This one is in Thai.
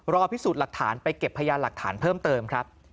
พิสูจน์หลักฐานไปเก็บพยานหลักฐานเพิ่มเติมครับ